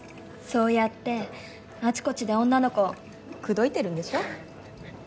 そうやってあちこちで女の子口説いてるんでしょ？